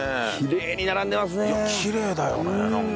いやきれいだよねなんか。